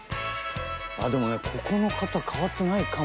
でもねここの方変わってないかも。